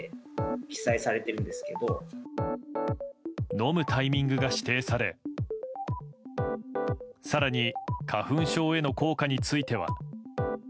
飲むタイミングが指定され更に花粉症への効果については。